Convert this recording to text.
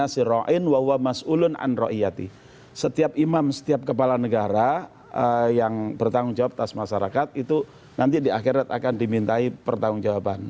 setiap imam setiap kepala negara yang bertanggung jawab atas masyarakat itu nanti di akhirat akan dimintai pertanggung jawaban